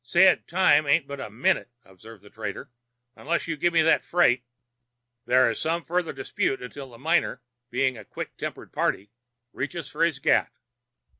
"'Said time ain't but a minute,' observes the trader, 'unless you gimme that freight.' "There is some further dispute till the miner, being a quick tempered party, reaches for his Gat.